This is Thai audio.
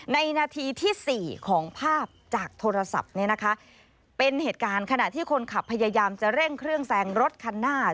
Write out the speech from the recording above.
นาทีที่๔ของภาพจากโทรศัพท์เนี่ยนะคะเป็นเหตุการณ์ขณะที่คนขับพยายามจะเร่งเครื่องแซงรถคันหน้า